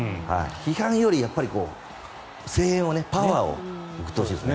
批判より声援を、パワーを送ってほしいです。